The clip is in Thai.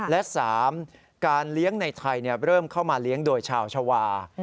และ๓การเลี้ยงในไทยเริ่มเข้ามาเลี้ยงโดยชาวชาวา